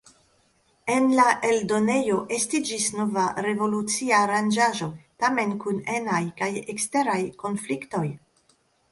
En la eldonejo estiĝis nova revolucia aranĝaĵo, tamen kun enaj kaj eksteraj konfliktoj.